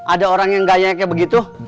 ada orang yang gaya kayak begitu